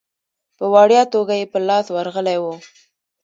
په وړیا توګه یې په لاس ورغلی وو.